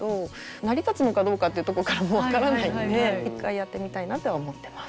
成り立つのかどうかってとこからも分からないんで一回やってみたいなとは思ってます。